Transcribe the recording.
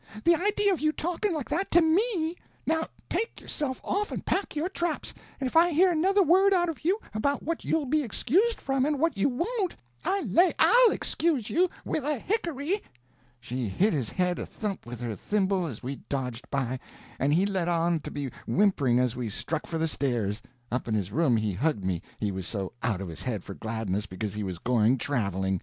The idea of you talking like that to me! Now take yourself off and pack your traps; and if I hear another word out of you about what you'll be excused from and what you won't, I lay I'll excuse you—with a hickory!" She hit his head a thump with her thimble as we dodged by, and he let on to be whimpering as we struck for the stairs. Up in his room he hugged me, he was so out of his head for gladness because he was going traveling.